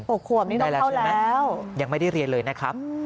โหขวบนี่น้องเข้าแล้วใช่ไหมยังไม่ได้เรียนเลยนะครับ